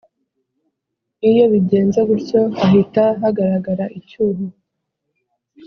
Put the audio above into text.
iyo bigenze gutyo hahita hagaragara icyuho.